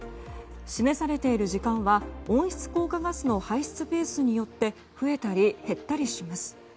示されている時間は温室効果ガスの排出ペースによって増えたり減ったりします。